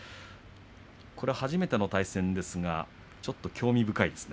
初めての対戦ですがちょっと興味深いですね。